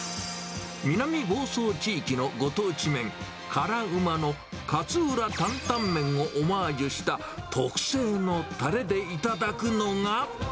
南房総地域のご当地麺、辛うまの勝浦タンタンメンをオマージュした特製のたれで頂くのが。